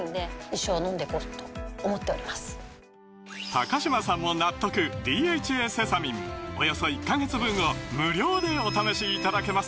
高嶋さんも納得「ＤＨＡセサミン」およそ１カ月分を無料でお試しいただけます